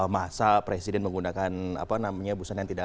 masa presiden menggunakan apa namanya busan antidara